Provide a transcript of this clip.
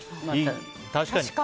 確かに。